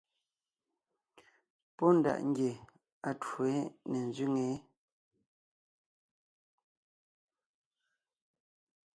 Pɔ́ ndaʼ ngie atwó yé ne ńzẅíŋe yé.